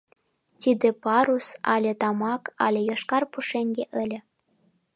Тиде пурыс, але тамак, але йошкар пушеҥге ыле.